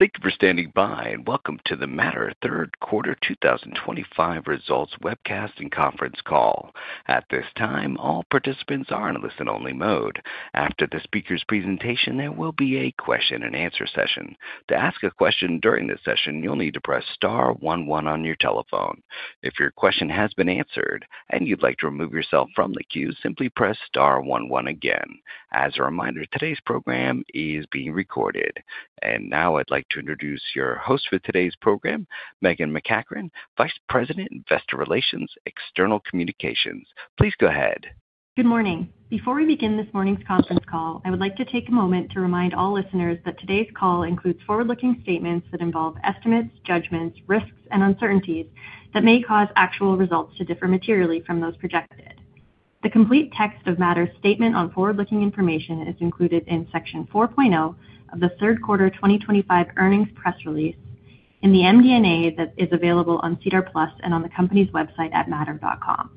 Thank you for standing by, and welcome to the Mattr third quarter 2025 results webcast and conference call. At this time, all participants are in listen-only mode. After the speaker's presentation, there will be a question-and-answer session. To ask a question during this session, you'll need to press star 11 on your telephone. If your question has been answered and you'd like to remove yourself from the queue, simply press star 11 again. As a reminder, today's program is being recorded. Now I'd like to introduce your host for today's program, Meghan MacEachern, Vice President, Investor Relations, External Communications. Please go ahead. Good morning. Before we begin this morning's conference call, I would like to take a moment to remind all listeners that today's call includes forward-looking statements that involve estimates, judgments, risks, and uncertainties that may cause actual results to differ materially from those projected. The complete text of Mattr's statement on forward-looking information is included in Section 4.0 of the third quarter 2025 earnings press Release in the MD&A that is available on SEDAR+ and on the company's website at mattr.com.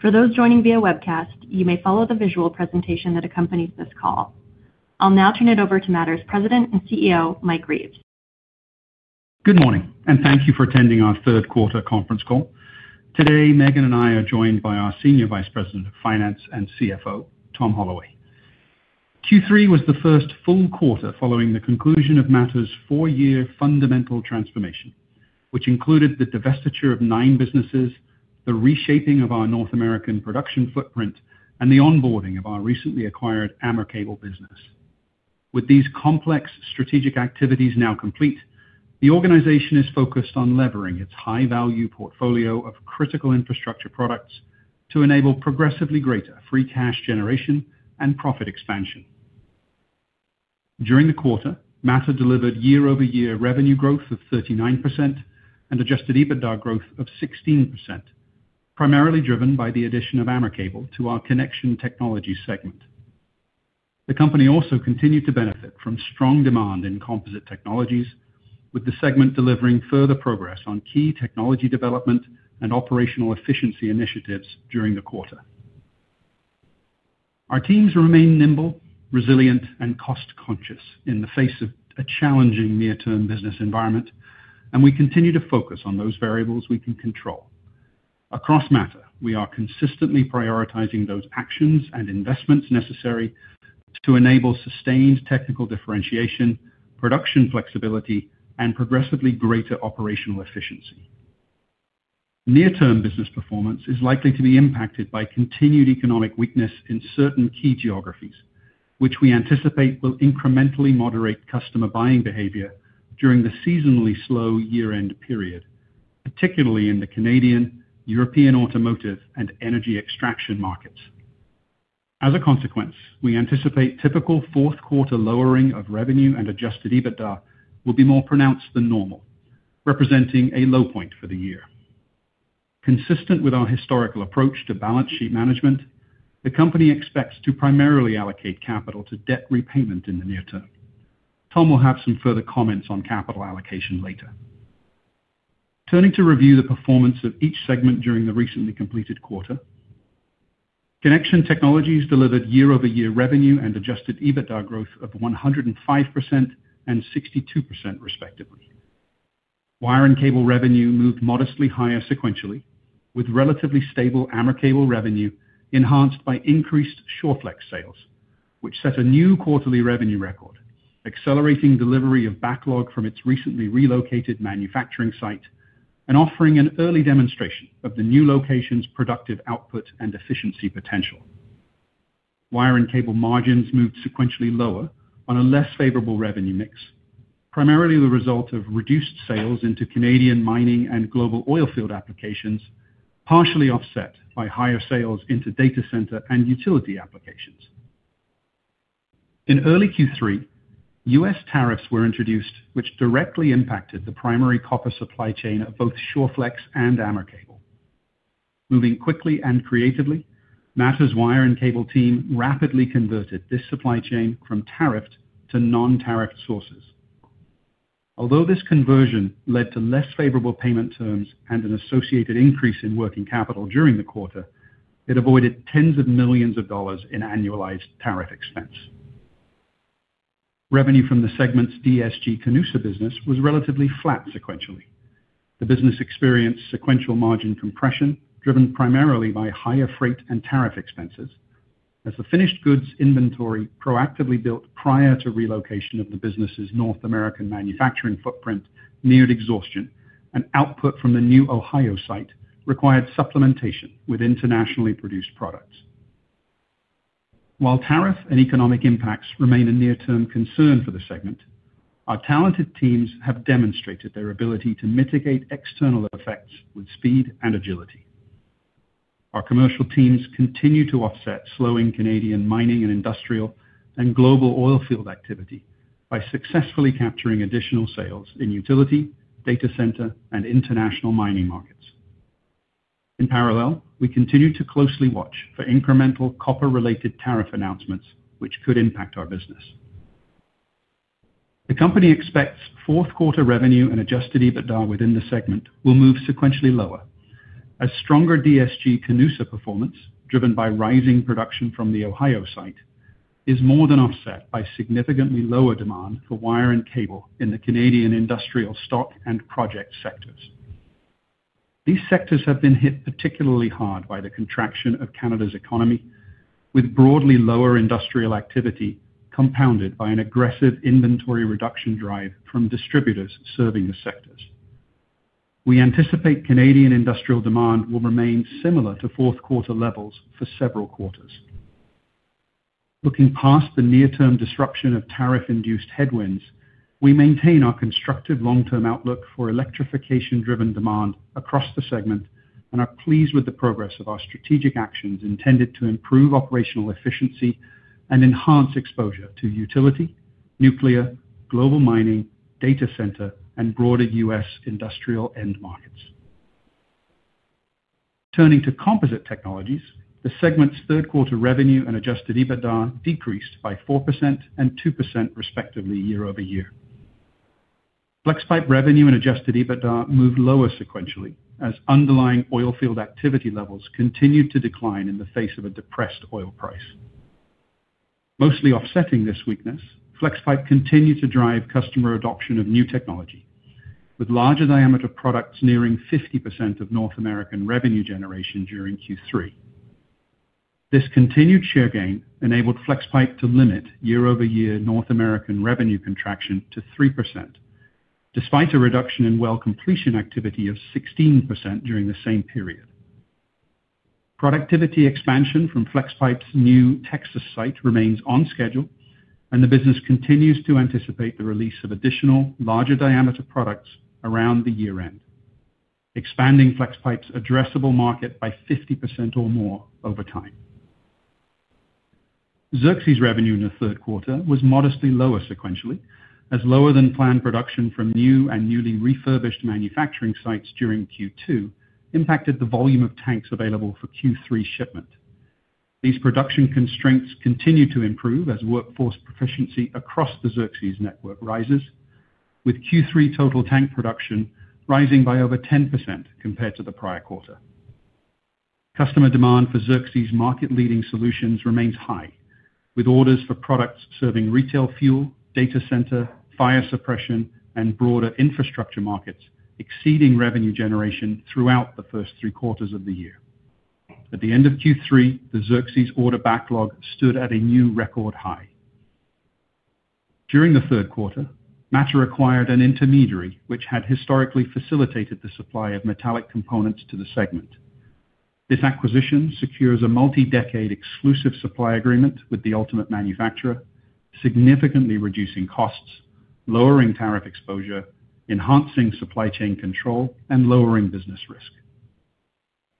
For those joining via webcast, you may follow the visual presentation that accompanies this call. I'll now turn it over to Mattr's President and CEO, Mike Reeves. Good morning, and thank you for attending our Third Quarter Conference Call. Today, Meghan and I are joined by our Senior Vice President of Finance and CFO, Tom Holloway. Q3 was the first full quarter following the conclusion of Mattr's four-year fundamental transformation, which included the divestiture of nine businesses, the reshaping of our North American production footprint, and the onboarding of our recently acquired Amber Cable business. With these complex strategic activities now complete, the organization is focused on levering its high-value portfolio of critical infrastructure products to enable progressively greater free cash generation and profit expansion. During the quarter, Mattr delivered year-over-year revenue growth of 39% and adjusted EBITDA growth of 16%, primarily driven by the addition of Amber Cable to our Connection Technologies segment. The company also continued to benefit from strong demand in Composite Technologies, with the segment delivering further progress on key technology development and operational efficiency initiatives during the quarter. Our teams remain nimble, resilient, and cost-conscious in the face of a challenging near-term business environment, and we continue to focus on those variables we can control. Across Mattr, we are consistently prioritizing those actions and investments necessary to enable sustained technical differentiation, production flexibility, and progressively greater operational efficiency. Near-term business performance is likely to be impacted by continued economic weakness in certain key geographies, which we anticipate will incrementally moderate customer buying behavior during the seasonally slow year-end period, particularly in the Canadian, European automotive, and energy extraction markets. As a consequence, we anticipate typical fourth quarter lowering of revenue and Adjusted EBITDA will be more pronounced than normal, representing a low point for the year. Consistent with our historical approach to balance sheet management, the company expects to primarily allocate capital to debt repayment in the near term. Tom will have some further comments on capital allocation later. Turning to review the performance of each segment during the recently completed quarter, Connection Technologies delivered year-over-year revenue and adjusted EBITDA growth of 105% and 62%, respectively. Wire and cable revenue moved modestly higher sequentially, with relatively stable Amber Cable revenue enhanced by increased Shoreflex sales, which set a new quarterly revenue record, accelerating delivery of backlog from its recently relocated manufacturing site and offering an early demonstration of the new location's productive output and efficiency potential. Wire and cable margins moved sequentially lower on a less favorable revenue mix, primarily the result of reduced sales into Canadian mining and global oil field applications, partially offset by higher sales into data center and utility applications. In early Q3, US tariffs were introduced, which directly impacted the primary copper supply chain of both Shoreflex and Amber Cable. Moving quickly and creatively, Mattr's wire and cable team rapidly converted this supply chain from tariffed to non-tariffed sources. Although this conversion led to less favorable payment terms and an associated increase in working capital during the quarter, it avoided tens of millions of dollars in annualized tariff expense. Revenue from the segment's DSG Canoosa business was relatively flat sequentially. The business experienced sequential margin compression driven primarily by higher freight and tariff expenses, as the finished goods inventory proactively built prior to relocation of the business's North American manufacturing footprint neared exhaustion, and output from the new Ohio site required supplementation with internationally produced products. While tariff and economic impacts remain a near-term concern for the segment, our talented teams have demonstrated their ability to mitigate external effects with speed and agility. Our commercial teams continue to offset slowing Canadian mining and industrial and global oil field activity by successfully capturing additional sales in utility, data center, and international mining markets. In parallel, we continue to closely watch for incremental copper-related tariff announcements, which could impact our business. The company expects fourth quarter revenue and adjusted EBITDA within the segment will move sequentially lower as stronger DSG-Canusa performance, driven by rising production from the Ohio site, is more than offset by significantly lower demand for wire and cable in the Canadian industrial stock and project sectors. These sectors have been hit particularly hard by the contraction of Canada's economy, with broadly lower industrial activity compounded by an aggressive inventory reduction drive from distributors serving the sectors. We anticipate Canadian industrial demand will remain similar to fourth quarter levels for several quarters. Looking past the near-term disruption of tariff-induced headwinds, we maintain our constructive long-term outlook for electrification-driven demand across the segment and are pleased with the progress of our strategic actions intended to improve operational efficiency and enhance exposure to utility, nuclear, global mining, data center, and broader US industrial end markets. Turning to Composite Technologies, the segment's third quarter revenue and adjusted EBITDA decreased by 4% and 2%, respectively, year-over-year. FlexPipe revenue and adjusted EBITDA moved lower sequentially as underlying oil field activity levels continued to decline in the face of a depressed oil price. Mostly offsetting this weakness, FlexPipe continued to drive customer adoption of new technology, with larger diameter products nearing 50% of North American revenue generation during Q3. This continued share gain enabled FlexPipe to limit year-over-year North American revenue contraction to 3%, despite a reduction in well completion activity of 16% during the same period. Productivity expansion from FlexPipe's new Texas site remains on schedule, and the business continues to anticipate the release of additional larger diameter products around the year-end, expanding FlexPipe's addressable market by 50% or more over time. Xerxis revenue in the third quarter was modestly lower sequentially as lower-than-planned production from new and newly refurbished manufacturing sites during Q2 impacted the volume of tanks available for Q3 shipment. These production constraints continue to improve as workforce proficiency across the Xerxis network rises, with Q3 total tank production rising by over 10% compared to the prior quarter. Customer demand for Xerxis' market-leading solutions remains high, with orders for products serving retail fuel, data center, fire suppression, and broader infrastructure markets exceeding revenue generation throughout the first three quarters of the year. At the end of Q3, the Xerxis order backlog stood at a new record high. During the third quarter, Mattr acquired an intermediary, which had historically facilitated the supply of metallic components to the segment. This acquisition secures a multi-decade exclusive supply agreement with the ultimate manufacturer, significantly reducing costs, lowering tariff exposure, enhancing supply chain control, and lowering business risk.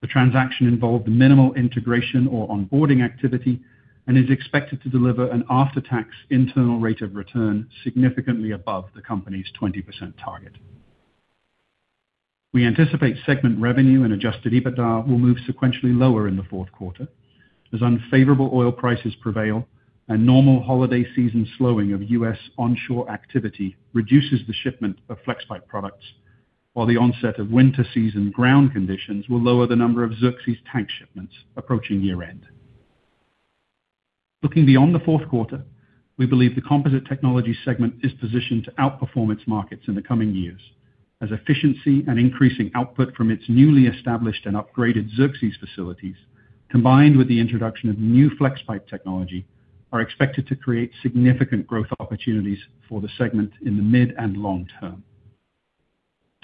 The transaction involved minimal integration or onboarding activity and is expected to deliver an after-tax internal rate of return significantly above the company's 20% target. We anticipate segment revenue and adjusted EBITDA will move sequentially lower in the fourth quarter as unfavorable oil prices prevail and normal holiday season slowing of U.S. onshore activity reduces the shipment of FlexPipe products, while the onset of winter season ground conditions will lower the number of Xerxis tank shipments approaching year-end. Looking beyond the fourth quarter, we believe the composite technology segment is positioned to outperform its markets in the coming years as efficiency and increasing output from its newly established and upgraded Xerxis facilities, combined with the introduction of new FlexPipe technology, are expected to create significant growth opportunities for the segment in the mid and long term.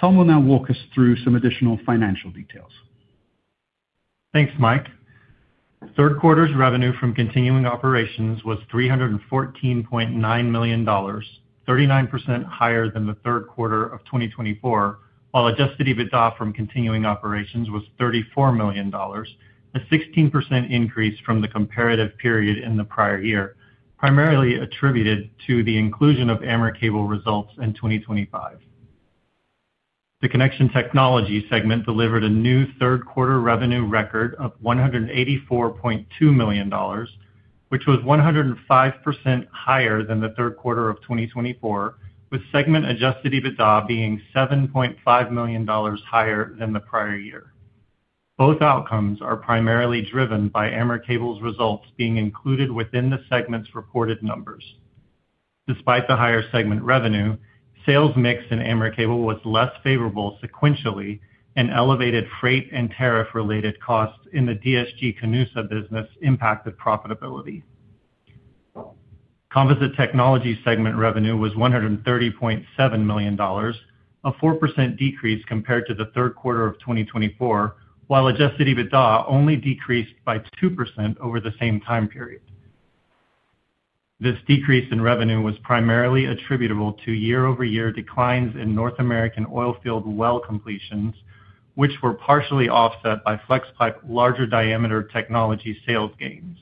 Tom will now walk us through some additional financial details. Thanks, Mike. Third quarter's revenue from continuing operations was 314.9 million dollars, 39% higher than the third quarter of 2024, while adjusted EBITDA from continuing operations was 34 million dollars, a 16% increase from the comparative period in the prior year, primarily attributed to the inclusion of Amber Cable results in 2025. The Connection Technologies segment delivered a new third quarter revenue record of 184.2 million dollars, which was 105% higher than the third quarter of 2024, with segment adjusted EBITDA being 7.5 million dollars higher than the prior year. Both outcomes are primarily driven by Amber Cable's results being included within the segment's reported numbers. Despite the higher segment revenue, sales mix in Amber Cable was less favorable sequentially, and elevated freight and tariff-related costs in the DSG Canoosa business impacted profitability. Composite technology segment revenue was 130.7 million dollars, a 4% decrease compared to the third quarter of 2024, while adjusted EBITDA only decreased by 2% over the same time period. This decrease in revenue was primarily attributable to year-over-year declines in North American oil field well completions, which were partially offset by FlexPipe's larger diameter technology sales gains.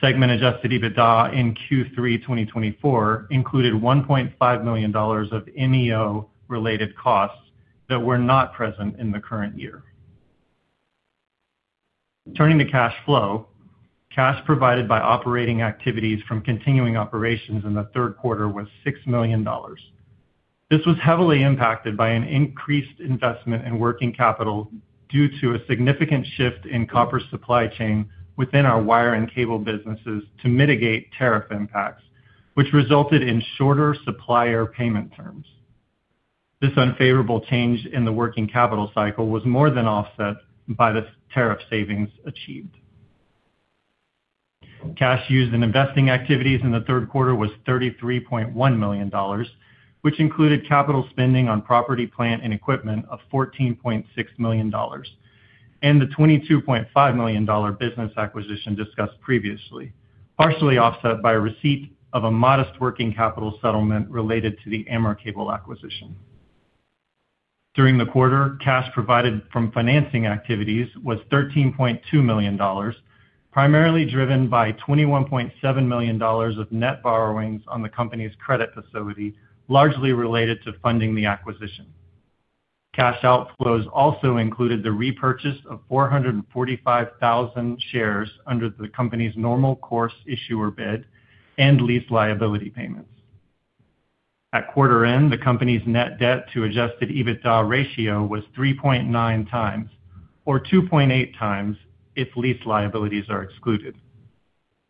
Segment adjusted EBITDA in Q3 2024 included CAD 1.5 million of NEO-related costs that were not present in the current year. Turning to cash flow, cash provided by operating activities from continuing operations in the third quarter was 6 million dollars. This was heavily impacted by an increased investment in working capital due to a significant shift in copper supply chain within our wire and cable businesses to mitigate tariff impacts, which resulted in shorter supplier payment terms. This unfavorable change in the working capital cycle was more than offset by the tariff savings achieved. Cash used in investing activities in the third quarter was 33.1 million dollars, which included capital spending on property, plant, and equipment of 14.6 million dollars, and the 22.5 million dollar business acquisition discussed previously, partially offset by a receipt of a modest working capital settlement related to the Amber Cable acquisition. During the quarter, cash provided from financing activities was 13.2 million dollars, primarily driven by 21.7 million dollars of net borrowings on the company's credit facility, largely related to funding the acquisition. Cash outflows also included the repurchase of 445,000 shares under the company's normal course issuer bid and lease liability payments. At quarter end, the company's net debt to Adjusted EBITDA ratio was 3.9 times, or 2.8 times if lease liabilities are excluded.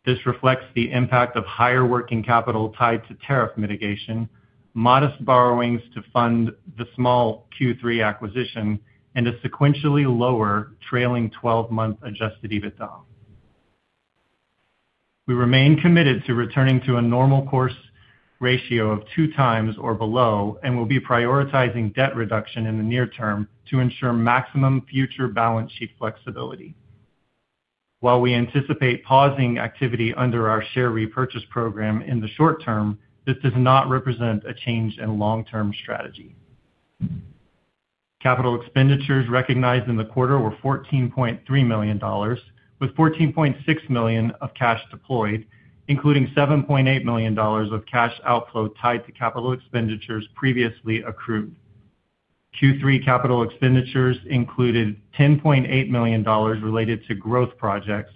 This reflects the impact of higher working capital tied to tariff mitigation, modest borrowings to fund the small Q3 acquisition, and a sequentially lower trailing 12-month Adjusted EBITDA. We remain committed to returning to a normal course ratio of 2 times or below and will be prioritizing debt reduction in the near term to ensure maximum future balance sheet flexibility. While we anticipate pausing activity under our share repurchase program in the short term, this does not represent a change in long-term strategy. Capital expenditures recognized in the quarter were 14.3 million dollars, with 14.6 million of cash deployed, including 7.8 million dollars of cash outflow tied to capital expenditures previously accrued. Q3 capital expenditures included 10.8 million dollars related to growth projects,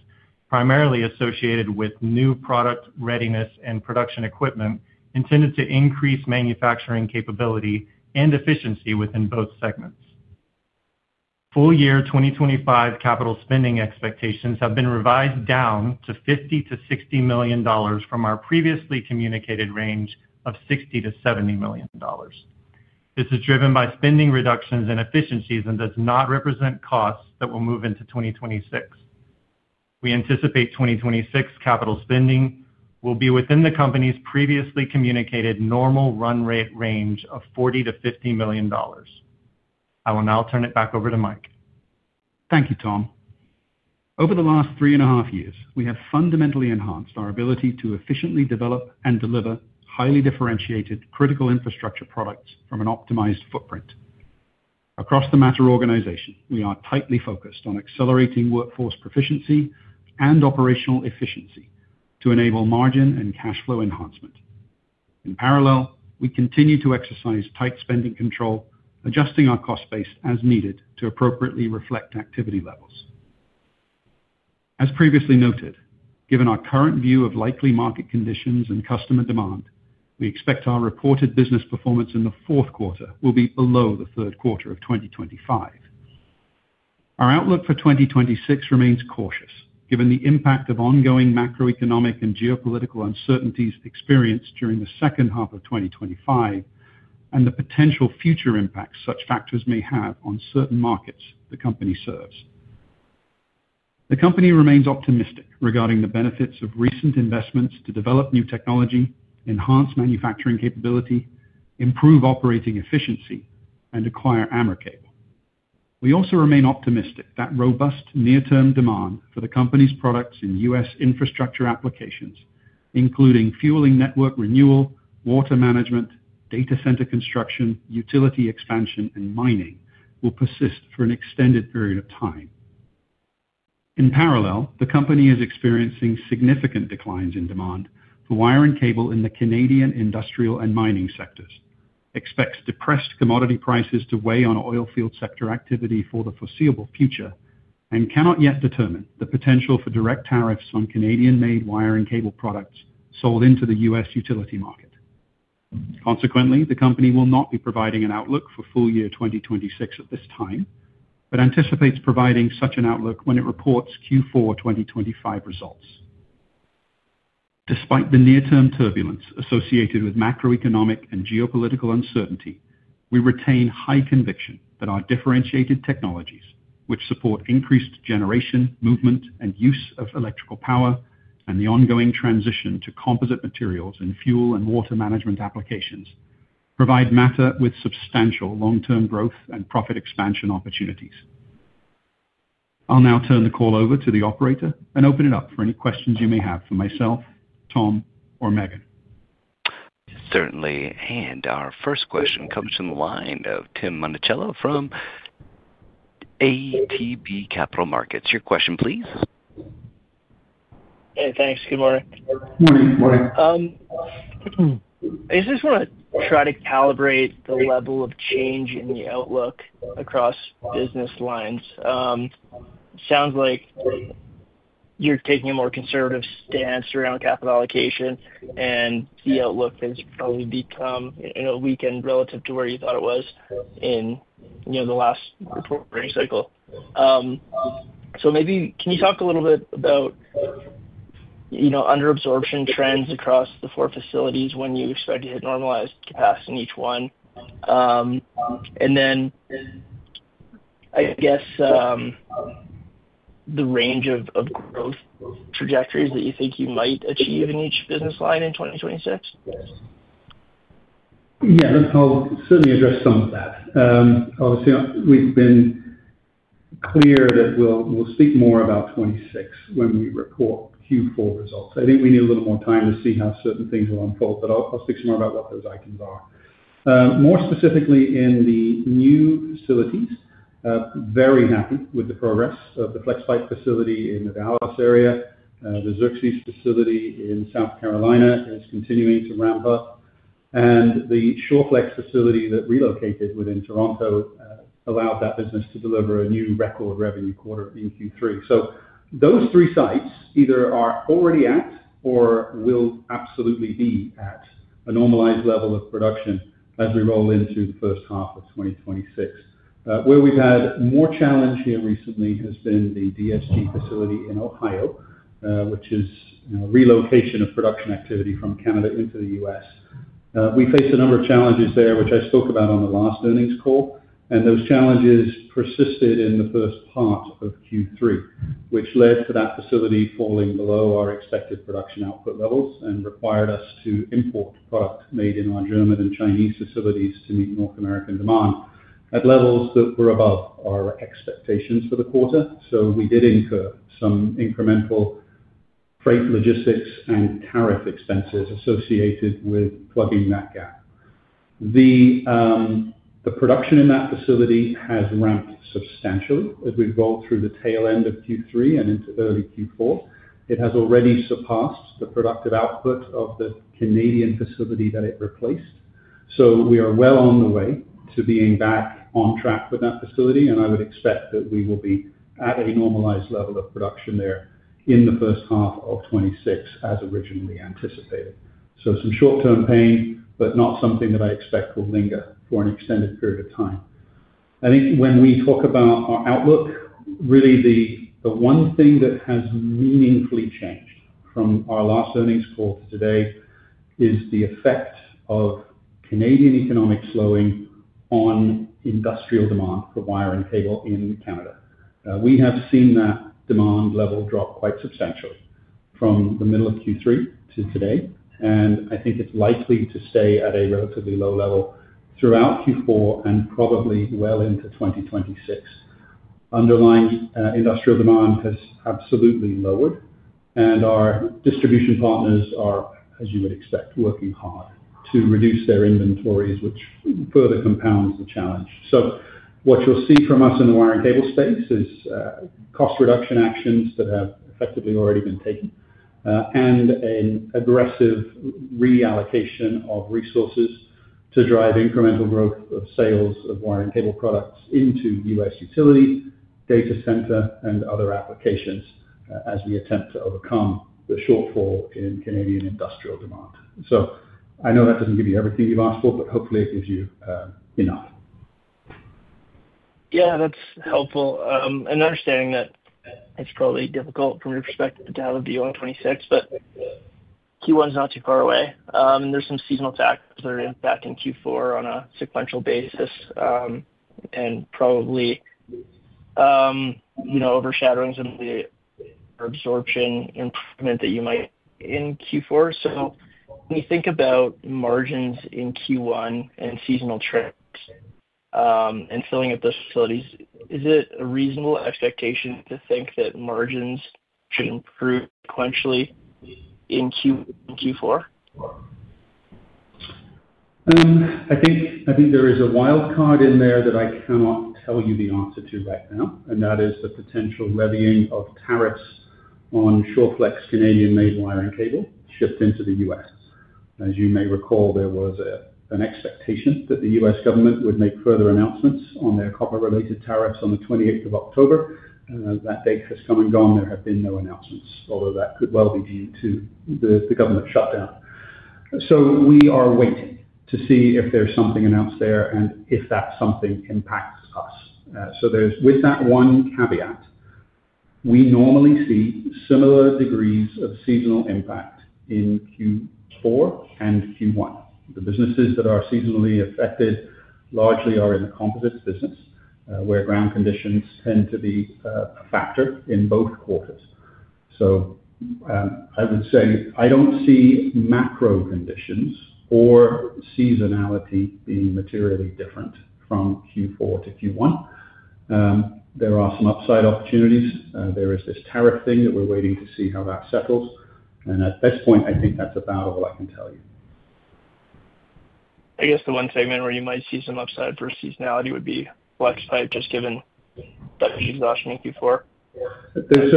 primarily associated with new product readiness and production equipment intended to increase manufacturing capability and efficiency within both segments. Full year 2025 capital spending expectations have been revised down to 50-60 million dollars from our previously communicated range of 60-70 million dollars. This is driven by spending reductions and efficiencies and does not represent costs that will move into 2026. We anticipate 2026 capital spending will be within the company's previously communicated normal run rate range of 40 million-50 million dollars. I will now turn it back over to Mike. Thank you, Tom. Over the last three and a half years, we have fundamentally enhanced our ability to efficiently develop and deliver highly differentiated critical infrastructure products from an optimized footprint. Across the Mattr organization, we are tightly focused on accelerating workforce proficiency and operational efficiency to enable margin and cash flow enhancement. In parallel, we continue to exercise tight spending control, adjusting our cost base as needed to appropriately reflect activity levels. As previously noted, given our current view of likely market conditions and customer demand, we expect our reported business performance in the fourth quarter will be below the third quarter of 2025. Our outlook for 2026 remains cautious given the impact of ongoing macroeconomic and geopolitical uncertainties experienced during the second half of 2025 and the potential future impacts such factors may have on certain markets the company serves. The company remains optimistic regarding the benefits of recent investments to develop new technology, enhance manufacturing capability, improve operating efficiency, and acquire Amber Cable. We also remain optimistic that robust near-term demand for the company's products in US infrastructure applications, including fueling network renewal, water management, data center construction, utility expansion, and mining, will persist for an extended period of time. In parallel, the company is experiencing significant declines in demand for wire and cable in the Canadian industrial and mining sectors, expects depressed commodity prices to weigh on oil field sector activity for the foreseeable future, and cannot yet determine the potential for direct tariffs on Canadian-made wire and cable products sold into the US utility market. Consequently, the company will not be providing an outlook for full year 2026 at this time but anticipates providing such an outlook when it reports Q4 2025 results. Despite the near-term turbulence associated with macroeconomic and geopolitical uncertainty, we retain high conviction that our differentiated technologies, which support increased generation, movement, and use of electrical power, and the ongoing transition to composite materials in fuel and water management applications, provide Mattr with substantial long-term growth and profit expansion opportunities. I'll now turn the call over to the operator and open it up for any questions you may have for myself, Tom, or Meghan. Certainly. Our first question comes from the line of Timothy Monachello from ATB Capital Markets. Your question, please. Hey, thanks. Good morning. Good morning. Good morning. I just want to try to calibrate the level of change in the outlook across business lines. It sounds like you're taking a more conservative stance around capital allocation, and the outlook has probably become, in a weekend, relative to where you thought it was in the last reporting cycle. Maybe can you talk a little bit about under-absorption trends across the four facilities when you expect to hit normalized capacity in each one? I guess the range of growth trajectories that you think you might achieve in each business line in 2026? Yeah, let's certainly address some of that. Obviously, we've been clear that we'll speak more about 2026 when we report Q4 results. I think we need a little more time to see how certain things will unfold, but I'll speak some more about what those items are. More specifically in the new facilities, very happy with the progress of the FlexPipe facility in the Dallas area. The Xerxis facility in South Carolina is continuing to ramp up, and the Shoreflex facility that relocated within Toronto allowed that business to deliver a new record revenue quarter in Q3. Those three sites either are already at or will absolutely be at a normalized level of production as we roll into the first half of 2026. Where we've had more challenge here recently has been the DSG Canoosa facility in Ohio, which is relocation of production activity from Canada into the U.S. We faced a number of challenges there, which I spoke about on the last earnings call, and those challenges persisted in the first part of Q3, which led to that facility falling below our expected production output levels and required us to import product made in our German and Chinese facilities to meet North American demand at levels that were above our expectations for the quarter. We did incur some incremental freight logistics and tariff expenses associated with plugging that gap. The production in that facility has ramped substantially as we have rolled through the tail end of Q3 and into early Q4. It has already surpassed the productive output of the Canadian facility that it replaced. We are well on the way to being back on track with that facility, and I would expect that we will be at a normalized level of production there in the first half of 2026 as originally anticipated. Some short-term pain, but not something that I expect will linger for an extended period of time. I think when we talk about our outlook, really the one thing that has meaningfully changed from our last earnings call to today is the effect of Canadian economic slowing on industrial demand for wire and cable in Canada. We have seen that demand level drop quite substantially from the middle of Q3 to today, and I think it is likely to stay at a relatively low level throughout Q4 and probably well into 2026. Underlying industrial demand has absolutely lowered, and our distribution partners are, as you would expect, working hard to reduce their inventories, which further compounds the challenge. What you'll see from us in the wire and cable space is cost reduction actions that have effectively already been taken and an aggressive reallocation of resources to drive incremental growth of sales of wire and cable products into US utility, data center, and other applications as we attempt to overcome the shortfall in Canadian industrial demand. I know that does not give you everything you've asked for, but hopefully it gives you enough. Yeah, that's helpful. Understanding that it's probably difficult from your perspective to have a view on 2026, but Q1 is not too far away. There are some seasonal factors that are impacting Q4 on a sequential basis and probably overshadowing some of the absorption improvement that you might see in Q4. When you think about margins in Q1 and seasonal trends and filling up those facilities, is it a reasonable expectation to think that margins should improve sequentially in Q1 and Q4? I think there is a wild card in there that I cannot tell you the answer to right now, and that is the potential levying of tariffs on Shoreflex Canadian-made wire and cable shipped into the U.S. As you may recall, there was an expectation that the U.S. government would make further announcements on their copper-related tariffs on the 28th of October. That date has come and gone. There have been no announcements, although that could well be due to the government shutdown. We are waiting to see if there's something announced there and if that something impacts us. With that one caveat, we normally see similar degrees of seasonal impact in Q4 and Q1. The businesses that are seasonally affected largely are in the composites business, where ground conditions tend to be a factor in both quarters. I would say I don't see macro conditions or seasonality being materially different from Q4 to Q1. There are some upside opportunities. There is this tariff thing that we're waiting to see how that settles. At this point, I think that's about all I can tell you. I guess the one segment where you might see some upside for seasonality would be FlexPipe just given that it was exhausting Q4. There's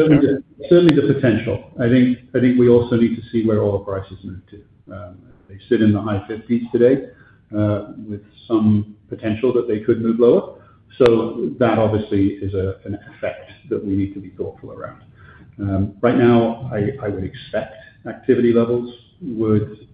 certainly the potential. I think we also need to see where all the prices move to. They sit in the high 50s today with some potential that they could move lower. That obviously is an effect that we need to be thoughtful around. Right now, I would expect activity levels would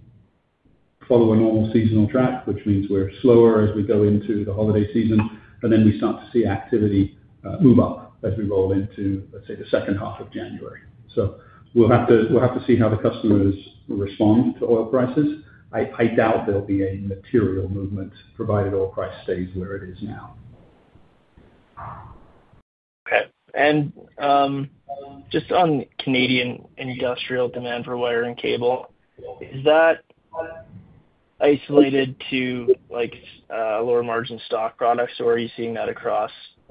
follow a normal seasonal track, which means we're slower as we go into the holiday season, and then we start to see activity move up as we roll into, let's say, the second half of January. We will have to see how the customers respond to oil prices. I doubt there will be a material movement provided oil price stays where it is now. Okay. Just on Canadian industrial demand for wire and cable, is that isolated to lower margin stock products, or are you seeing that across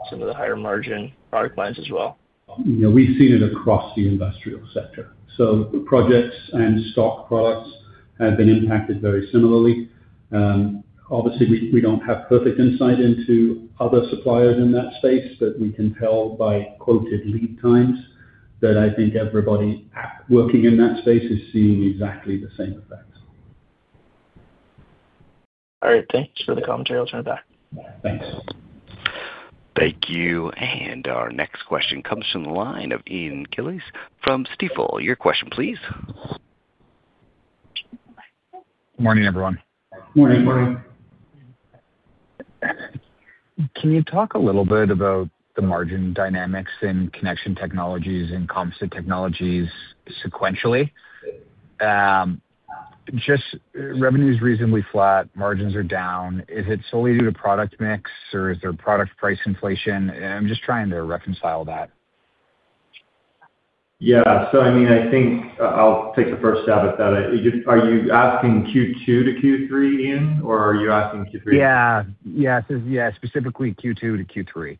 some of the higher margin product lines as well? We've seen it across the industrial sector. Projects and stock products have been impacted very similarly. Obviously, we don't have perfect insight into other suppliers in that space, but we can tell by quoted lead times that I think everybody working in that space is seeing exactly the same effect. All right. Thanks for the commentary. I'll turn it back. Thanks. Thank you. Our next question comes from the line of Ian Brooks Gillies from Stifel. Your question, please. Good morning, everyone. Morning. Morning. Can you talk a little bit about the margin dynamics in Connection Technologies and Composite Technologies sequentially? Just revenue is reasonably flat, margins are down. Is it solely due to product mix, or is there product price inflation? I'm just trying to reconcile that. Yeah. I mean, I think I'll take the first stab at that. Are you asking Q2 to Q3, Ian, or are you asking Q3? Yeah. Specifically Q2 to Q3.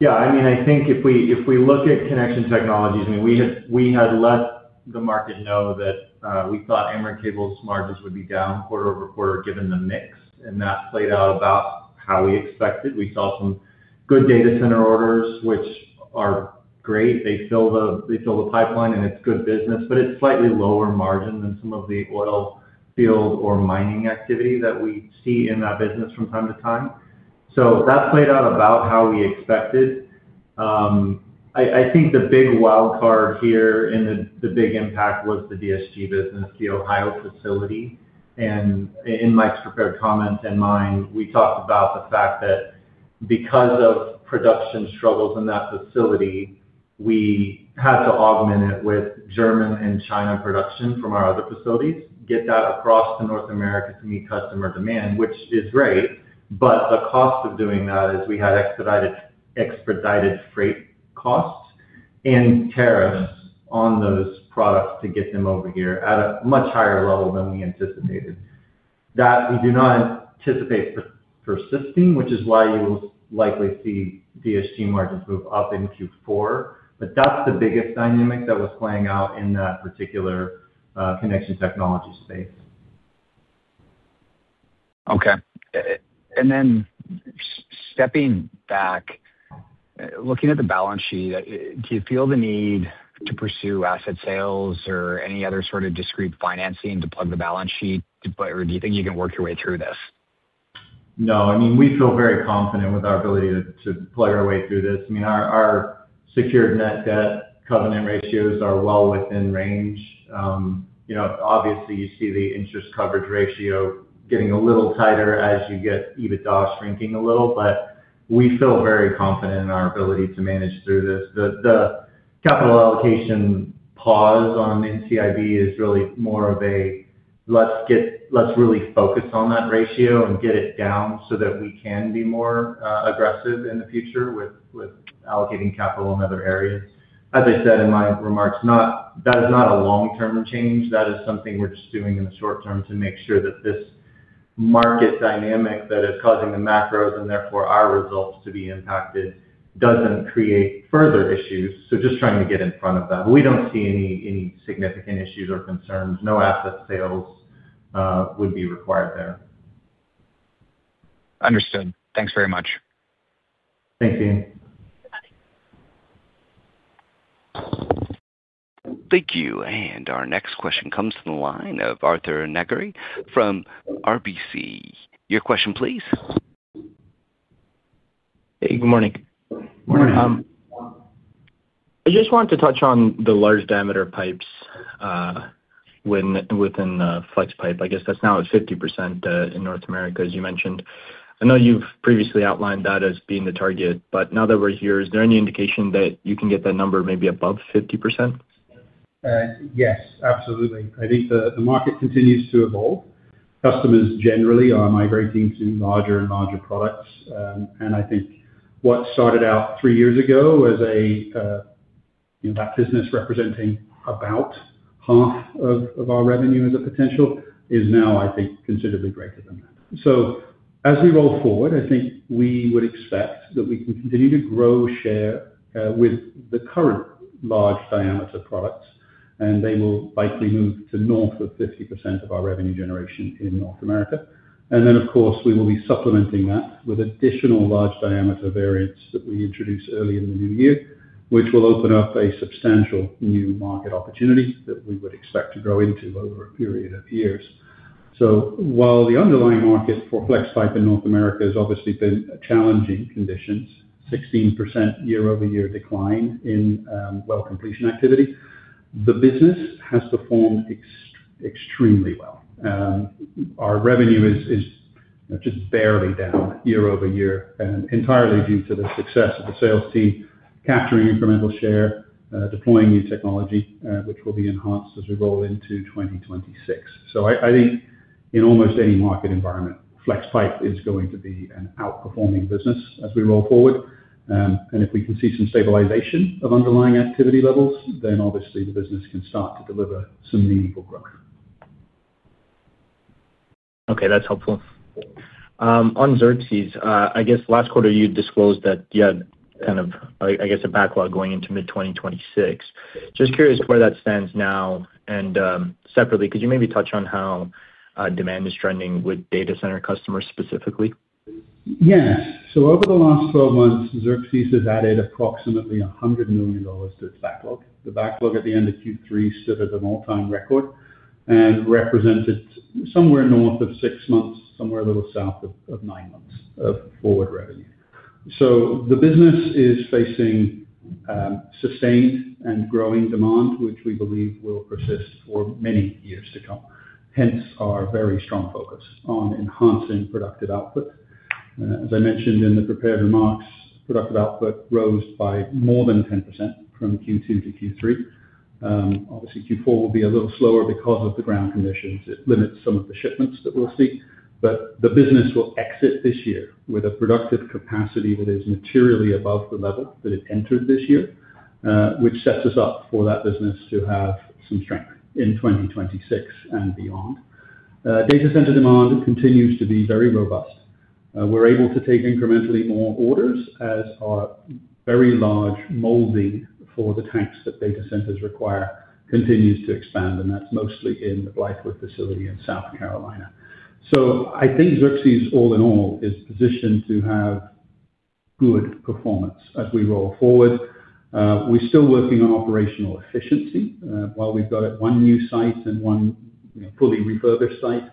Yeah. I mean, I think if we look at Connection Technologies, I mean, we had let the market know that we thought Amber Cable's margins would be down quarter over quarter given the mix, and that played out about how we expected. We saw some good data center orders, which are great. They fill the pipeline, and it's good business, but it's slightly lower margin than some of the oil field or mining activity that we see in that business from time to time. That played out about how we expected. I think the big wild card here and the big impact was the DSG Canoosa business, the Ohio facility. In Mike's prepared comments and mine, we talked about the fact that because of production struggles in that facility, we had to augment it with German and China production from our other facilities, get that across to North America to meet customer demand, which is great. The cost of doing that is we had expedited freight costs and tariffs on those products to get them over here at a much higher level than we anticipated. That we do not anticipate persisting, which is why you will likely see DSG margins move up in Q4. That's the biggest dynamic that was playing out in that particular connection technology space. Okay. Then stepping back, looking at the balance sheet, do you feel the need to pursue asset sales or any other sort of discreet financing to plug the balance sheet, or do you think you can work your way through this? No. I mean, we feel very confident with our ability to plug our way through this. I mean, our secured net debt covenant ratios are well within range. Obviously, you see the interest coverage ratio getting a little tighter as you get EBITDA shrinking a little, but we feel very confident in our ability to manage through this. The capital allocation pause on NCIB is really more of a, "Let's really focus on that ratio and get it down so that we can be more aggressive in the future with allocating capital in other areas." As I said in my remarks, that is not a long-term change. That is something we're just doing in the short term to make sure that this market dynamic that is causing the macros and therefore our results to be impacted does not create further issues. Just trying to get in front of that. We don't see any significant issues or concerns. No asset sales would be required there. Understood. Thanks very much. Thanks, Ian. Thank you. Our next question comes from the line of Arthur Nagorny from RBC. Your question, please. Hey, good morning. Morning. I just wanted to touch on the large diameter pipes within FlexPipe. I guess that's now at 50% in North America, as you mentioned. I know you've previously outlined that as being the target, but now that we're here, is there any indication that you can get that number maybe above 50%? Yes, absolutely. I think the market continues to evolve. Customers generally are migrating to larger and larger products. I think what started out three years ago as that business representing about half of our revenue as a potential is now, I think, considerably greater than that. As we roll forward, I think we would expect that we can continue to grow share with the current large diameter products, and they will likely move to north of 50% of our revenue generation in North America. Of course, we will be supplementing that with additional large diameter variants that we introduced early in the new year, which will open up a substantial new market opportunity that we would expect to grow into over a period of years. While the underlying market for FlexPipe in North America has obviously been challenging conditions, 16% year-over-year decline in well completion activity, the business has performed extremely well. Our revenue is just barely down year-over-year entirely due to the success of the sales team, capturing incremental share, deploying new technology, which will be enhanced as we roll into 2026. I think in almost any market environment, FlexPipe is going to be an outperforming business as we roll forward. If we can see some stabilization of underlying activity levels, then obviously the business can start to deliver some meaningful growth. Okay. That's helpful. On Xerxis, I guess last quarter you disclosed that you had kind of, I guess, a backlog going into mid-2026. Just curious where that stands now. Separately, could you maybe touch on how demand is trending with data center customers specifically? Yes. Over the last 12 months, Xerxis has added approximately $100 million to its backlog. The backlog at the end of Q3 stood at an all-time record and represented somewhere north of six months, somewhere a little south of nine months of forward revenue. The business is facing sustained and growing demand, which we believe will persist for many years to come. Hence our very strong focus on enhancing productive output. As I mentioned in the prepared remarks, productive output rose by more than 10% from Q2 to Q3. Obviously, Q4 will be a little slower because of the ground conditions. It limits some of the shipments that we'll see. The business will exit this year with a productive capacity that is materially above the level that it entered this year, which sets us up for that business to have some strength in 2026 and beyond. Data center demand continues to be very robust. We're able to take incrementally more orders as our very large molding for the tanks that data centers require continues to expand. That is mostly in the Blythewood facility in South Carolina. I think Xerxis, all in all, is positioned to have good performance as we roll forward. We're still working on operational efficiency. While we've got one new site and one fully refurbished site,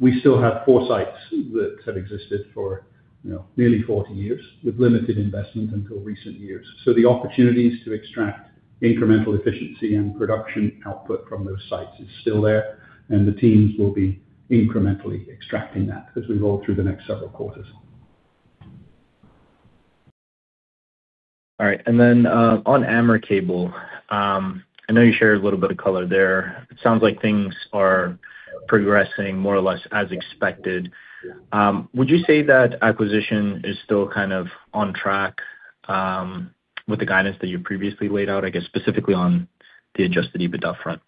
we still have four sites that have existed for nearly 40 years with limited investment until recent years. The opportunities to extract incremental efficiency and production output from those sites is still there. The teams will be incrementally extracting that as we roll through the next several quarters. All right. On Amber Cable, I know you shared a little bit of color there. It sounds like things are progressing more or less as expected. Would you say that acquisition is still kind of on track with the guidance that you previously laid out, I guess, specifically on the Adjusted EBITDA front?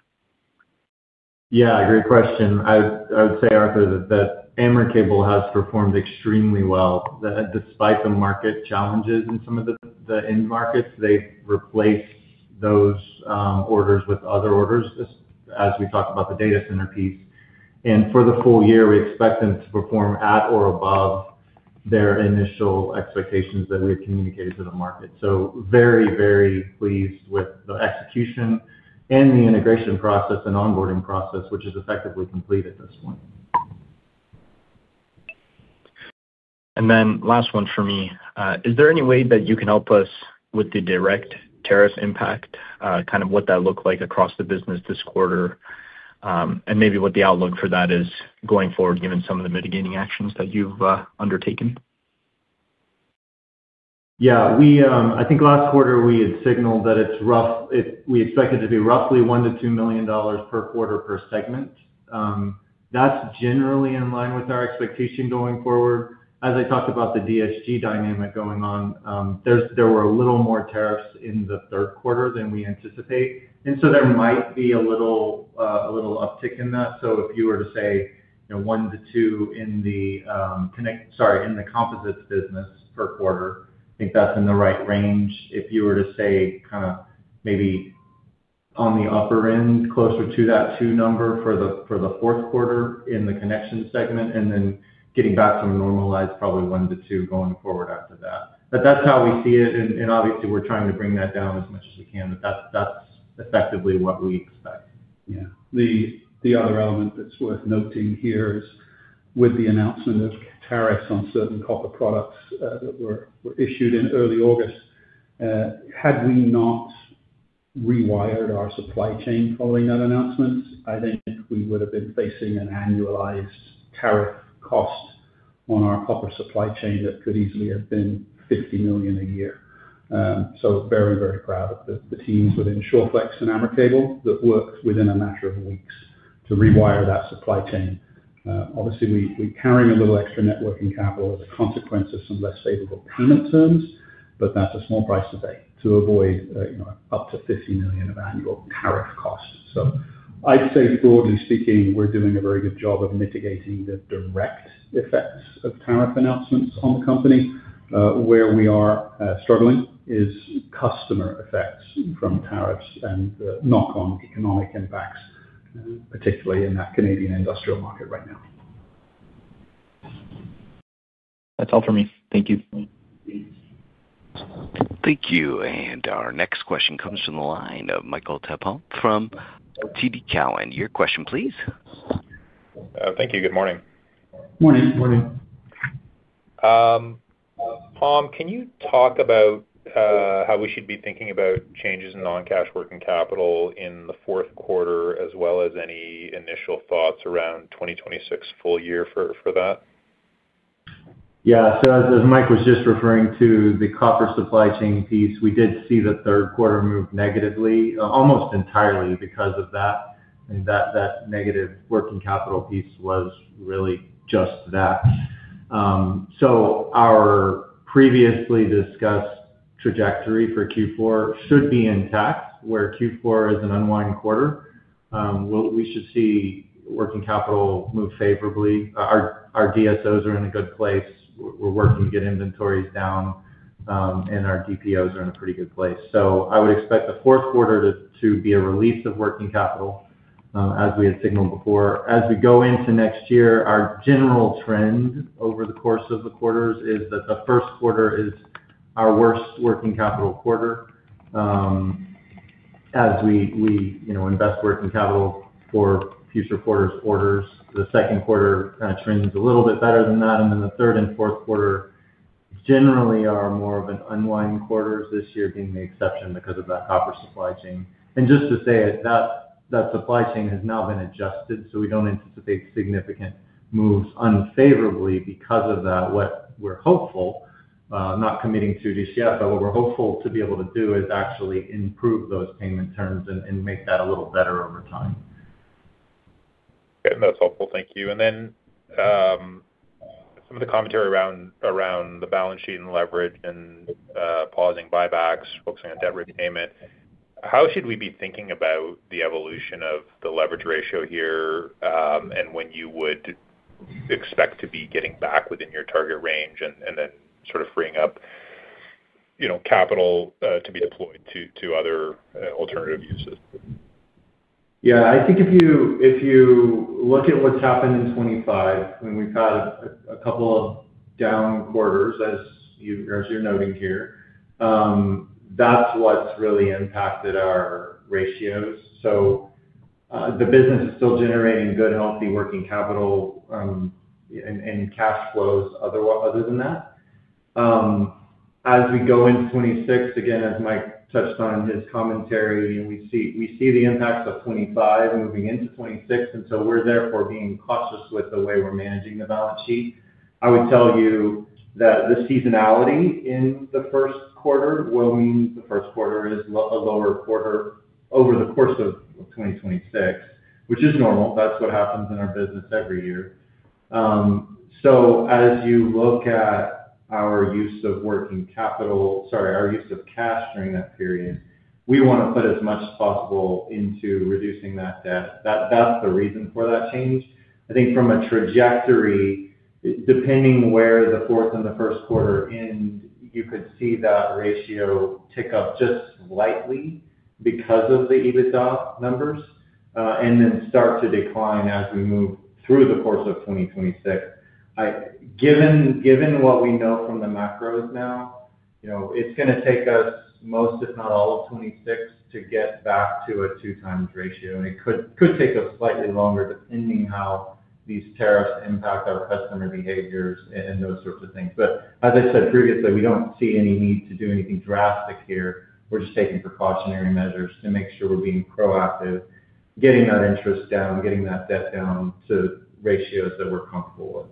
Yeah. Great question. I would say, Arthur, that Amber Cable has performed extremely well. Despite the market challenges in some of the end markets, they've replaced those orders with other orders as we talked about the data center piece. For the full year, we expect them to perform at or above their initial expectations that we have communicated to the market. Very, very pleased with the execution and the integration process and onboarding process, which is effectively complete at this point. Is there any way that you can help us with the direct tariff impact, kind of what that looked like across the business this quarter, and maybe what the outlook for that is going forward, given some of the mitigating actions that you've undertaken? Yeah. I think last quarter we had signaled that we expected to be roughly $1 million-$2 million per quarter per segment. That's generally in line with our expectation going forward. As I talked about the DSG dynamic going on, there were a little more tariffs in the third quarter than we anticipate. There might be a little uptick in that. If you were to say $1 million-$2 million in the, sorry, in the composites business per quarter, I think that's in the right range. If you were to say kind of maybe on the upper end, closer to that $2 million number for the fourth quarter in the connection segment, and then getting back to a normalized probably $1 million-$2 million going forward after that. That's how we see it. Obviously, we're trying to bring that down as much as we can. That's effectively what we expect. Yeah. The other element that's worth noting here is with the announcement of tariffs on certain copper products that were issued in early August, had we not rewired our supply chain following that announcement, I think we would have been facing an annualized tariff cost on our copper supply chain that could easily have been $50 million a year. Very, very proud of the teams within Shoreflex and Amber Cable that worked within a matter of weeks to rewire that supply chain. Obviously, we're carrying a little extra working capital as a consequence of some less favorable payment terms, but that's a small price to pay to avoid up to $50 million of annual tariff cost. I'd say, broadly speaking, we're doing a very good job of mitigating the direct effects of tariff announcements on the company. Where we are struggling is customer effects from tariffs and knock-on economic impacts, particularly in that Canadian industrial market right now. That's all for me. Thank you. Thank you. Our next question comes from the line of Michael Tepom from TD Cowen. Your question, please. Thank you. Good morning. Morning. Can you talk about how we should be thinking about changes in non-cash working capital in the fourth quarter, as well as any initial thoughts around 2026 full year for that? Yeah. As Mike was just referring to the copper supply chain piece, we did see the third quarter move negatively almost entirely because of that. That negative working capital piece was really just that. Our previously discussed trajectory for Q4 should be intact, where Q4 is an unwind quarter. We should see working capital move favorably. Our DSOs are in a good place. We're working to get inventories down, and our DPOs are in a pretty good place. I would expect the fourth quarter to be a release of working capital, as we had signaled before. As we go into next year, our general trend over the course of the quarters is that the first quarter is our worst working capital quarter. As we invest working capital for future quarters, the second quarter kind of trends a little bit better than that. The third and fourth quarter generally are more of an unwind quarter this year, being the exception because of that copper supply chain. Just to say it, that supply chain has now been adjusted, so we do not anticipate significant moves unfavorably because of that. What we are hopeful—not committing to this yet—but what we are hopeful to be able to do is actually improve those payment terms and make that a little better over time. Okay. That's helpful. Thank you. Some of the commentary around the balance sheet and leverage and pausing buybacks, focusing on debt repayment. How should we be thinking about the evolution of the leverage ratio here and when you would expect to be getting back within your target range and then sort of freeing up capital to be deployed to other alternative uses? Yeah. I think if you look at what has happened in 2025, when we have had a couple of down quarters, as you are noting here, that is what has really impacted our ratios. The business is still generating good, healthy working capital and cash flows other than that. As we go into 2026, again, as Mike touched on in his commentary, we see the impacts of 2025 moving into 2026. We are therefore being cautious with the way we are managing the balance sheet. I would tell you that the seasonality in the first quarter will mean the first quarter is a lower quarter over the course of 2026, which is normal. That is what happens in our business every year. As you look at our use of working capital—sorry, our use of cash during that period—we want to put as much as possible into reducing that debt. That's the reason for that change. I think from a trajectory, depending where the fourth and the first quarter end, you could see that ratio tick up just slightly because of the EBITDA numbers and then start to decline as we move through the course of 2026. Given what we know from the macros now, it's going to take us most, if not all, of 2026 to get back to a two-times ratio. It could take us slightly longer depending how these tariffs impact our customer behaviors and those sorts of things. As I said previously, we do not see any need to do anything drastic here. We are just taking precautionary measures to make sure we are being proactive, getting that interest down, getting that debt down to ratios that we are comfortable with.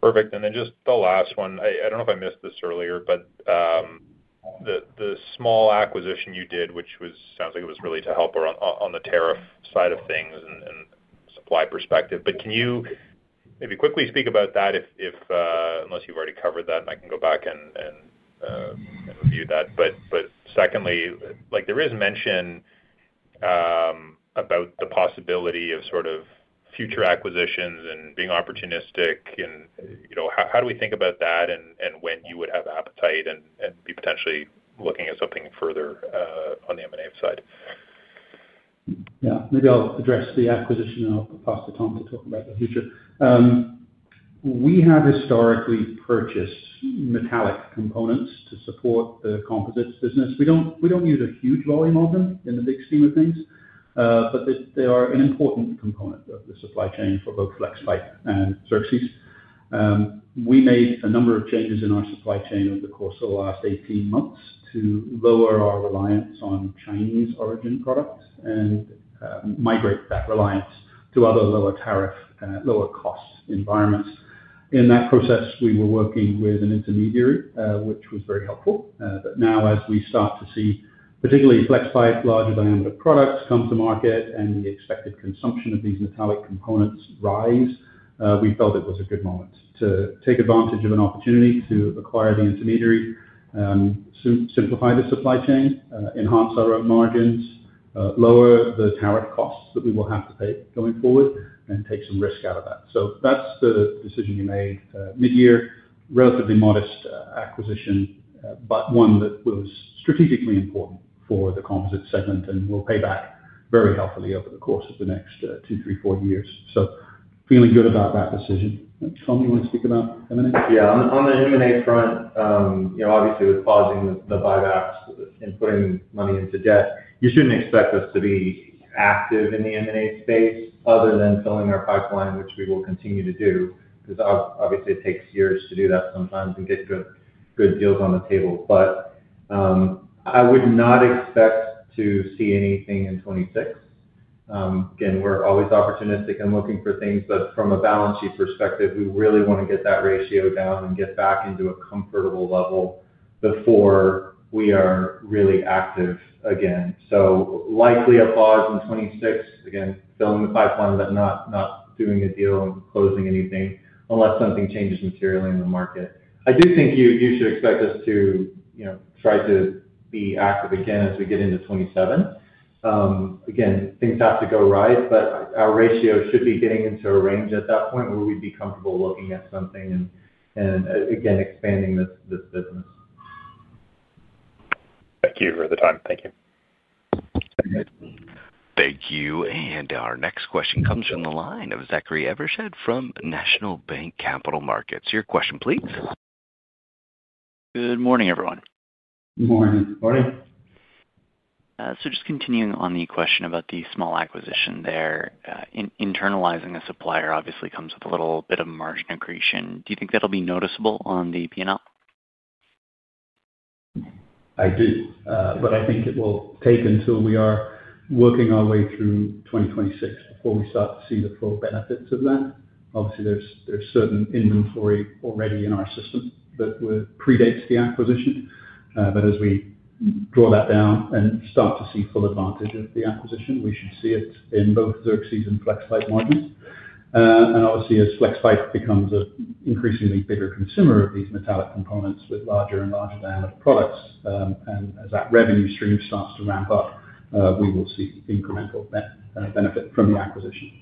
Perfect. And then just the last one. I do not know if I missed this earlier, but the small acquisition you did, which sounds like it was really to help on the tariff side of things and supply perspective. Can you maybe quickly speak about that? Unless you have already covered that, I can go back and review that. Secondly, there is mention about the possibility of sort of future acquisitions and being opportunistic. How do we think about that and when you would have appetite and be potentially looking at something further on the M&A side? Yeah. Maybe I'll address the acquisition. I'll pass to Tom to talk about the future. We have historically purchased metallic components to support the composites business. We don't use a huge volume of them in the big scheme of things, but they are an important component of the supply chain for both FlexPipe and Xerxis. We made a number of changes in our supply chain over the course of the last 18 months to lower our reliance on Chinese origin products and migrate that reliance to other lower tariff, lower cost environments. In that process, we were working with an intermediary, which was very helpful. Now, as we start to see particularly FlexPipe larger diameter products come to market and the expected consumption of these metallic components rise, we felt it was a good moment to take advantage of an opportunity to acquire the intermediary, simplify the supply chain, enhance our own margins, lower the tariff costs that we will have to pay going forward, and take some risk out of that. That is the decision we made mid-year. Relatively modest acquisition, but one that was strategically important for the composite segment and will pay back very healthily over the course of the next two, three, four years. Feeling good about that decision. Tom, you want to speak about M&A? On the M&A front, obviously, with pausing the buybacks and putting money into debt, you shouldn't expect us to be active in the M&A space other than filling our pipeline, which we will continue to do because obviously, it takes years to do that sometimes and get good deals on the table. I would not expect to see anything in 2026. Again, we're always opportunistic and looking for things. From a balance sheet perspective, we really want to get that ratio down and get back into a comfortable level before we are really active again. Likely a pause in 2026, again, filling the pipeline, but not doing a deal and closing anything unless something changes materially in the market. I do think you should expect us to try to be active again as we get into 2027. Again, things have to go right, but our ratio should be getting into a range at that point where we'd be comfortable looking at something and, again, expanding this business. Thank you for the time. Thank you. Thank you. Our next question comes from the line of Zachary Evershed from National Bank Capital Markets. Your question, please. Good morning, everyone. Good morning. Morning. Just continuing on the question about the small acquisition there, internalizing a supplier obviously comes with a little bit of margin accretion. Do you think that'll be noticeable on the P&L? I do. I think it will take until we are working our way through 2026 before we start to see the full benefits of that. Obviously, there is certain inventory already in our system that predates the acquisition. As we draw that down and start to see full advantage of the acquisition, we should see it in both Xerxis and FlexPipe margins. Obviously, as FlexPipe becomes an increasingly bigger consumer of these metallic components with larger and larger diameter products and as that revenue stream starts to ramp up, we will see incremental benefit from the acquisition.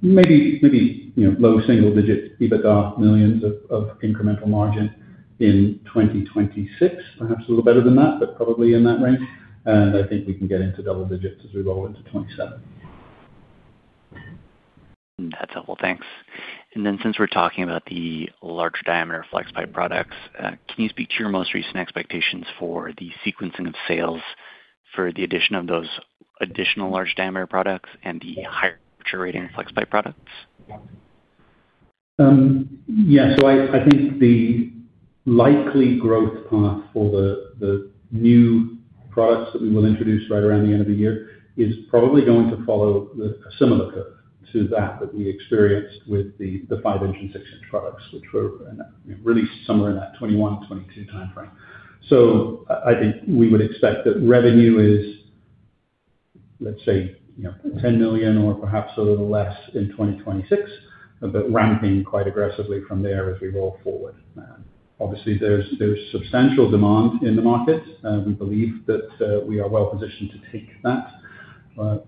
Maybe low single-digit millions of incremental EBITDA margin in 2026, perhaps a little better than that, but probably in that range. I think we can get into double digits as we roll into 2027. That's helpful. Thanks. Since we're talking about the larger diameter FlexPipe products, can you speak to your most recent expectations for the sequencing of sales for the addition of those additional large diameter products and the higher-rating FlexPipe products? Yeah. I think the likely growth path for the new products that we will introduce right around the end of the year is probably going to follow a similar curve to that that we experienced with the 5-inch and 6-inch products, which were released somewhere in that 2021-2022 timeframe. I think we would expect that revenue is, let's say, $10 million or perhaps a little less in 2026, but ramping quite aggressively from there as we roll forward. Obviously, there is substantial demand in the market. We believe that we are well-positioned to take that.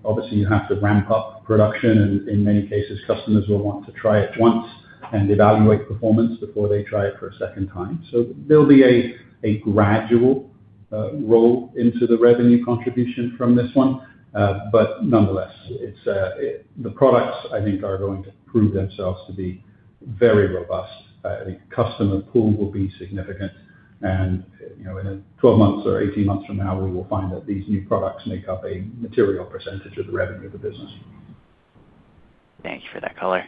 Obviously, you have to ramp up production, and in many cases, customers will want to try it once and evaluate performance before they try it for a second time. There will be a gradual roll into the revenue contribution from this one. Nonetheless, the products, I think, are going to prove themselves to be very robust. The customer pool will be significant. In 12 months or 18 months from now, we will find that these new products make up a material percentage of the revenue of the business. Thanks for that color.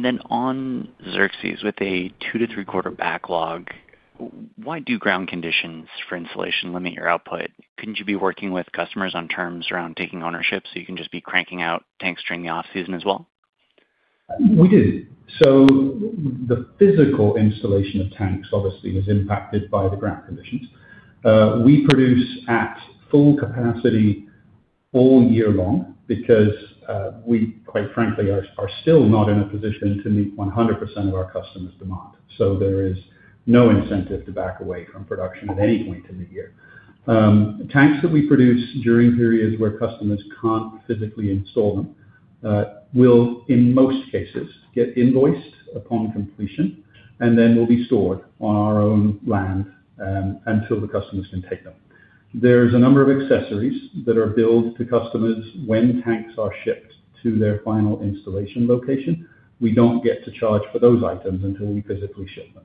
Then on Xerxis with a two- to three-quarter backlog, why do ground conditions for installation limit your output? Could not you be working with customers on terms around taking ownership so you can just be cranking out tanks during the off-season as well? We do. The physical installation of tanks obviously is impacted by the ground conditions. We produce at full capacity all year long because we, quite frankly, are still not in a position to meet 100% of our customers' demand. There is no incentive to back away from production at any point in the year. Tanks that we produce during periods where customers cannot physically install them will, in most cases, get invoiced upon completion and then will be stored on our own land until the customers can take them. There are a number of accessories that are billed to customers when tanks are shipped to their final installation location. We do not get to charge for those items until we physically ship them.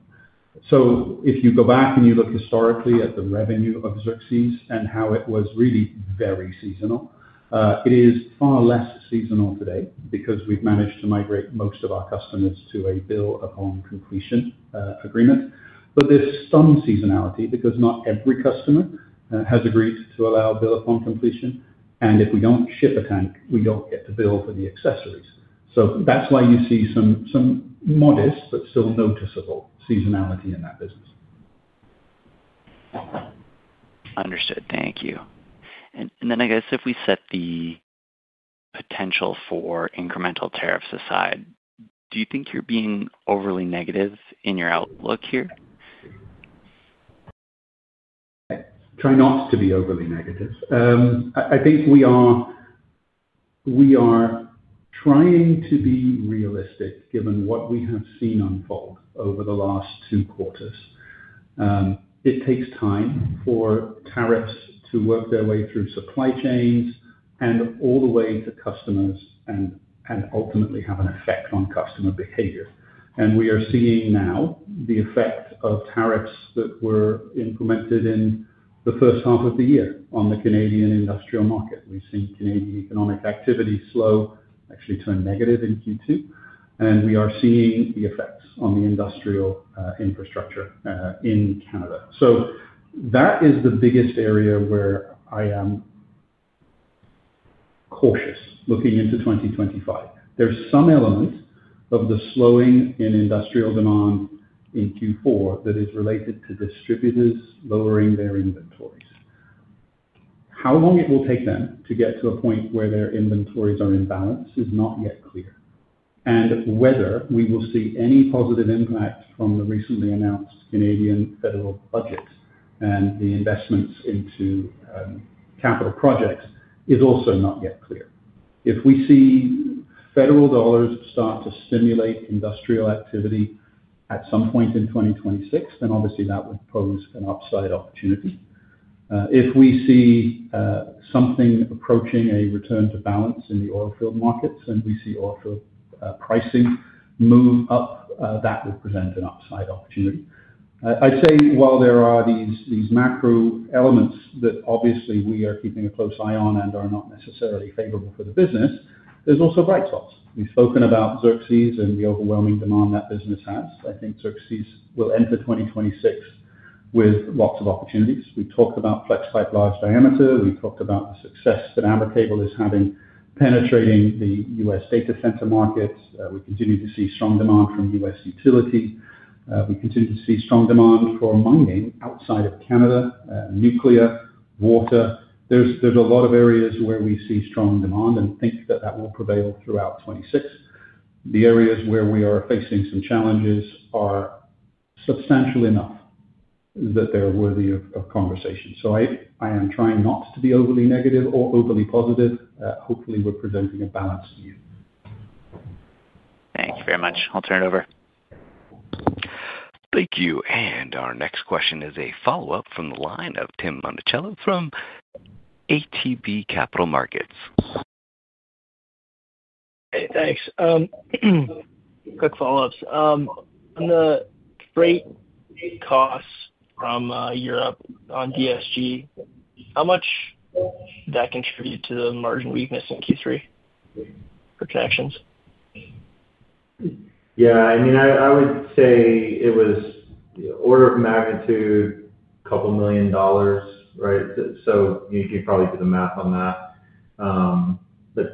If you go back and you look historically at the revenue of Xerxis and how it was really very seasonal, it is far less seasonal today because we've managed to migrate most of our customers to a bill-upon-completion agreement. But there's some seasonality because not every customer has agreed to allow bill-upon-completion. And if we don't ship a tank, we don't get to bill for the accessories. That's why you see some modest but still noticeable seasonality in that business. Understood. Thank you. If we set the potential for incremental tariffs aside, do you think you're being overly negative in your outlook here? Try not to be overly negative. I think we are trying to be realistic given what we have seen unfold over the last two quarters. It takes time for tariffs to work their way through supply chains and all the way to customers and ultimately have an effect on customer behavior. We are seeing now the effect of tariffs that were implemented in the first half of the year on the Canadian industrial market. We've seen Canadian economic activity slow, actually turn negative in Q2. We are seeing the effects on the industrial infrastructure in Canada. That is the biggest area where I am cautious looking into 2025. There's some element of the slowing in industrial demand in Q4 that is related to distributors lowering their inventories. How long it will take them to get to a point where their inventories are in balance is not yet clear. Whether we will see any positive impact from the recently announced Canadian federal budget and the investments into capital projects is also not yet clear. If we see federal dollars start to stimulate industrial activity at some point in 2026, that would pose an upside opportunity. If we see something approaching a return to balance in the oilfield markets and we see oilfield pricing move up, that would present an upside opportunity. I'd say while there are these macro elements that obviously we are keeping a close eye on and are not necessarily favorable for the business, there are also bright spots. We've spoken about Xerxis and the overwhelming demand that business has. I think Xerxis will enter 2026 with lots of opportunities. We've talked about FlexPipe large diameter. We've talked about the success that Amber Cable is having penetrating the US data center markets. We continue to see strong demand from US utility. We continue to see strong demand for mining outside of Canada, nuclear, water. There's a lot of areas where we see strong demand and think that that will prevail throughout 2026. The areas where we are facing some challenges are substantial enough that they're worthy of conversation. I am trying not to be overly negative or overly positive. Hopefully, we're presenting a balance to you. Thank you very much. I'll turn it over. Thank you. Our next question is a follow-up from the line of Tim Monachello from ATB Capital Markets. Hey, thanks. Quick follow-ups. On the freight costs from Europe on DSG, how much did that contribute to the margin weakness in Q3 for connections? Yeah. I mean, I would say it was the order of magnitude, a couple million dollars, right? You could probably do the math on that. That's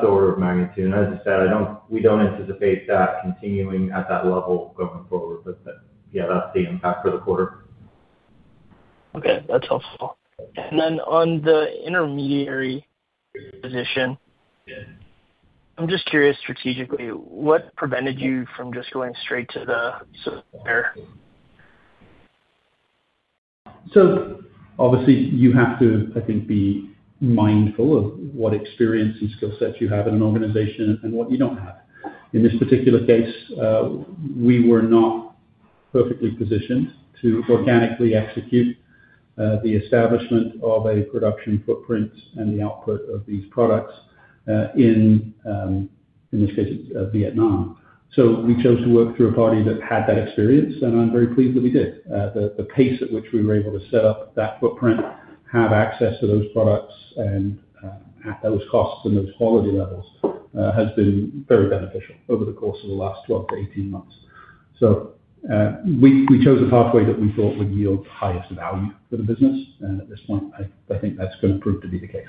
the order of magnitude. As I said, we don't anticipate that continuing at that level going forward. Yeah, that's the impact for the quarter. Okay. That's helpful. On the intermediary position, I'm just curious strategically, what prevented you from just going straight to the supplier? Obviously, you have to, I think, be mindful of what experience and skill sets you have in an organization and what you do not have. In this particular case, we were not perfectly positioned to organically execute the establishment of a production footprint and the output of these products in, in this case, Vietnam. We chose to work through a party that had that experience. I am very pleased that we did. The pace at which we were able to set up that footprint, have access to those products, and at those costs and those quality levels has been very beneficial over the course of the last 12-18 months. We chose a pathway that we thought would yield the highest value for the business. At this point, I think that is going to prove to be the case.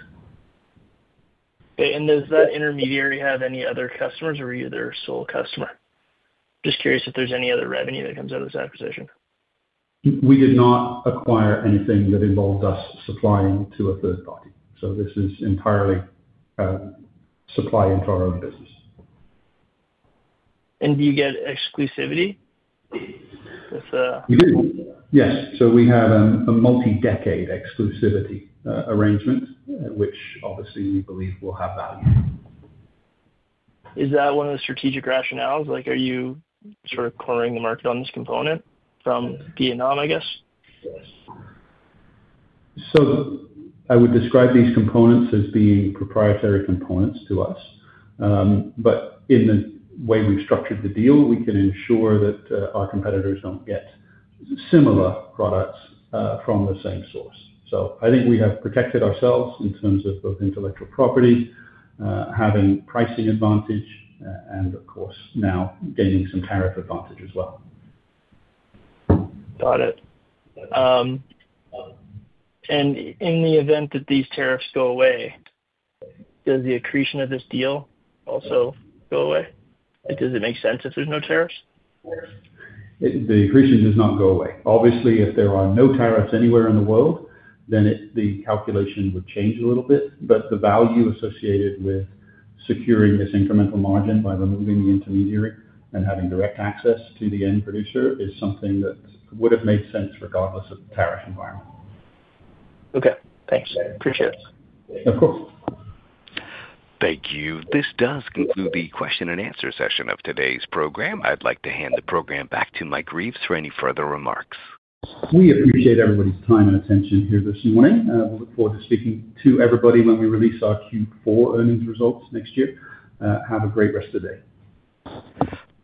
Okay. Does that intermediary have any other customers or are you their sole customer? Just curious if there is any other revenue that comes out of this acquisition. We did not acquire anything that involved us supplying to a third party. This is entirely supply into our own business. Do you get exclusivity with the? We do. Yes. We have a multi-decade exclusivity arrangement, which obviously we believe will have value. Is that one of the strategic rationales? Are you sort of cornering the market on this component from Vietnam, I guess? Yes. I would describe these components as being proprietary components to us. In the way we have structured the deal, we can ensure that our competitors do not get similar products from the same source. I think we have protected ourselves in terms of both intellectual property, having pricing advantage, and, of course, now gaining some tariff advantage as well. Got it. In the event that these tariffs go away, does the accretion of this deal also go away? Does it make sense if there's no tariffs? The accretion does not go away. Obviously, if there are no tariffs anywhere in the world, then the calculation would change a little bit. The value associated with securing this incremental margin by removing the intermediary and having direct access to the end producer is something that would have made sense regardless of the tariff environment. Okay. Thanks. Appreciate it. Okay. Thank you. This does conclude the question and answer session of today's program. I'd like to hand the program back to Mike Reeves for any further remarks. We appreciate everybody's time and attention here this morning. We look forward to speaking to everybody when we release our Q4 earnings results next year. Have a great rest of the day.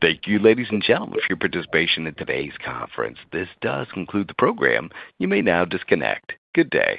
Thank you, ladies and gentlemen, for your participation in today's conference. This does conclude the program. You may now disconnect. Good day.